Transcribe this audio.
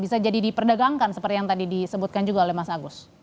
bisa jadi diperdagangkan seperti yang tadi disebutkan juga oleh mas agus